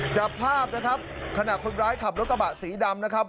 จับภาพนะครับขณะคนร้ายขับรถกระบะสีดำนะครับ